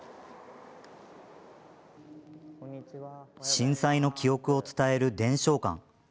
震災の記憶を伝える伝承館。